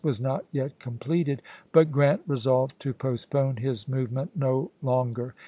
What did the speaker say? ^' was not yet completed, but Grant resolved to ^p^s"' postpone his movement no longer.